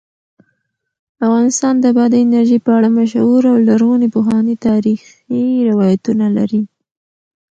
افغانستان د بادي انرژي په اړه مشهور او لرغوني پخواني تاریخی روایتونه لري.